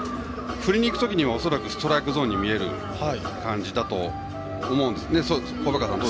振りに行く時には恐らくストライクゾーンに見える感じだと思います。